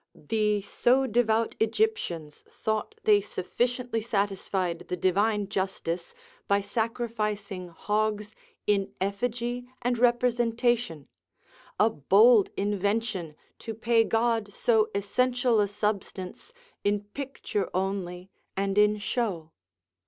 ] The so devout Egyptians thought they sufficiently satisfied the divine justice by sacrificing hogs in effigy and representation; a bold invention to pay God so essential a substance in picture only and in show.